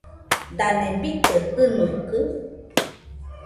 Dane bite jɨnuikɨ?